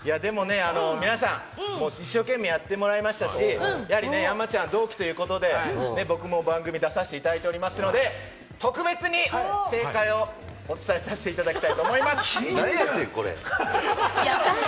皆さん、一生懸命やってもらえましたし、山ちゃん、同期ということで番組出させてもらってますし、特別に正解をお伝えさせていただきたいと思います。